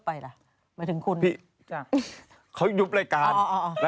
ก็ทำไมถึงเลิกไปล่ะ